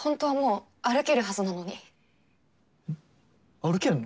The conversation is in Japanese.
歩けるの？